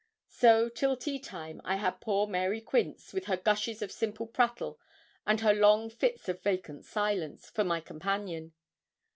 So till tea time I had poor Mary Quince, with her gushes of simple prattle and her long fits of vacant silence, for my companion.